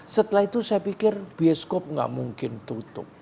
setelah itu saya pikir bioskop nggak mungkin tutup